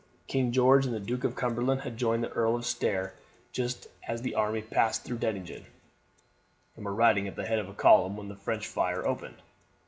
King George and the Duke of Cumberland had joined the Earl of Stair just as the army passed through Dettingen, and were riding at the head of the column when the French fire opened.